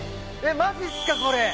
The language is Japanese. マジすかこれ。